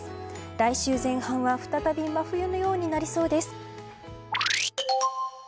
来週前半は再び真冬のようになりそうです。